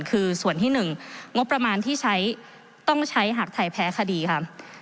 คือส่วนที่๑งบประมาณที่ใช้ต้องใช้หากไทยแพ้คดีค่ะ